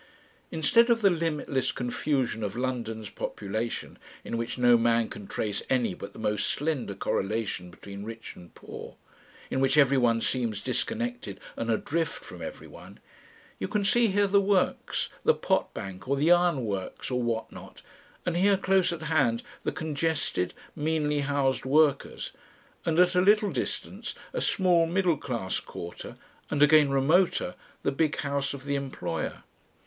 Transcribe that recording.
Instead of the limitless confusion of London's population, in which no man can trace any but the most slender correlation between rich and poor, in which everyone seems disconnected and adrift from everyone, you can see here the works, the potbank or the ironworks or what not, and here close at hand the congested, meanly housed workers, and at a little distance a small middle class quarter, and again remoter, the big house of the employer.